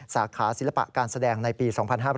สาขาศิลปะการแสดงในปี๒๕๕๘